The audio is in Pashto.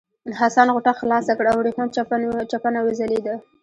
حسن غوټه خلاصه کړه او ورېښمین چپنه وځلېده.